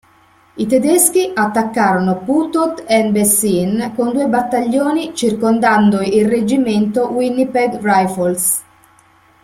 I tedeschi attaccarono Putot-en-Bessin con due battaglioni circondando il Reggimento "Winnipeg Rifles".